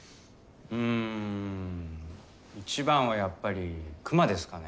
うん一番はやっぱり熊ですかね。